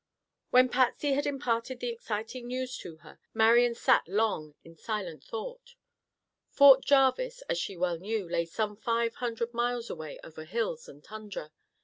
When Patsy had imparted the exciting news to her, Marian sat long in silent thought. Fort Jarvis, as she well knew, lay some five hundred miles away over hills and tundra.